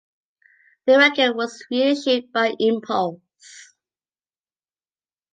The record was reissued by Impulse!